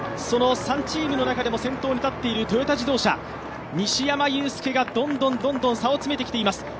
その３チームの中でも先頭に立っているトヨタ自動車、西山雄介がどんどん差を詰めてきています。